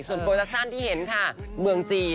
โปรดักชั่นที่เห็นค่ะเมืองจีน